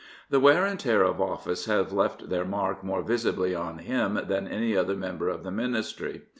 The wear and tear of office have left their mark more visibly on him than on any other member of the Ministry.